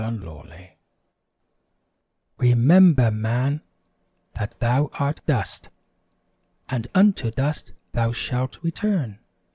ASH WEDNESDAY "Remember, man, that thou art dust And unto dust thou shalt return!"